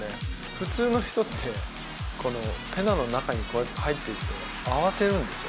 普通の人って、このペナの中にこうやって入っていくと、慌てるんですよ。